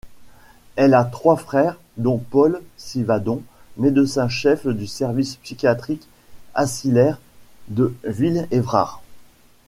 Elle a trois frères, dont Paul Sivadon, médecin-chef du service psychiatrique asilaire de Ville-Évrard.